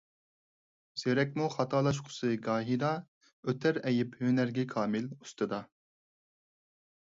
زېرەكمۇ خاتالاشقۇسى گاھىدا، ئۆتەر ئەيىب ھۈنەرگە كامىل ئۇستىدا.